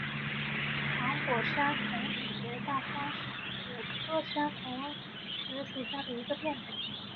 长果山桐子为大风子科山桐子属下的一个变种。